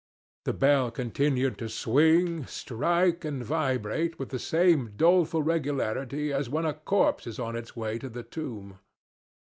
The bell continued to swing, strike and vibrate with the same doleful regularity as when a corpse is on its way to the tomb.